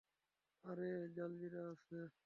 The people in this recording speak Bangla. আরে, জালজিরা আছে?